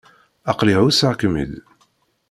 Aql-i ɛusseɣ-kem-id.